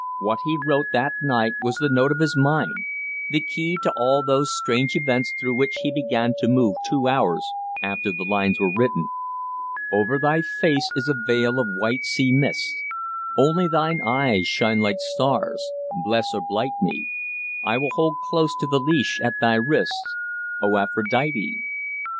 What he wrote that night was the note of his mind, the key to all those strange events through which he began to move two hours after the lines were written: Over thy face is a veil of white sea mist, Only thine eyes shine like stars; bless or blight me, I will hold close to the leash at thy wrist, O Aphrodite!